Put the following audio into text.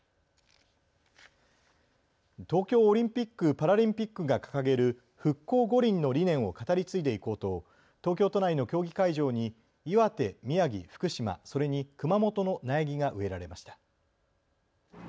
東京オリンピック・パラリンピックが掲げる復興五輪の理念を語り継いでいこうと東京都内の競技会場に岩手、宮城、福島、それに熊本の苗木が植えられました。